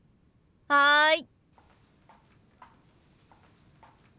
はい。